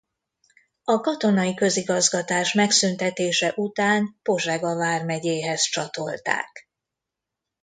A katonai közigazgatás megszüntetése után Pozsega vármegyéhez csatolták.